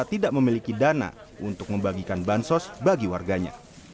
tidak memiliki dana untuk membagikan bansos bagi warganya